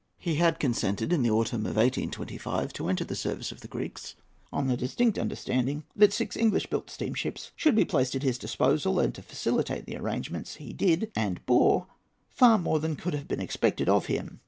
He had consented, in the autumn of 1825, to enter the service of the Greeks, on the distinct understanding that six English built steamships should be placed at his disposal, and to facilitate the arrangements he did and bore far more than could have been expected of him.